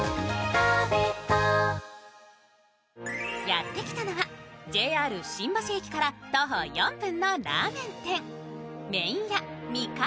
やって来たのはＪＲ新橋駅から徒歩４分のラーメン店、麺屋味方。